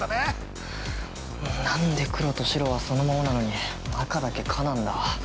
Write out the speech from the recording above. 何で黒と白はそのままなのに赤だけ「か」なんだ。